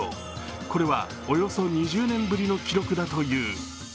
これはおよそ２０年ぶりの記録だという。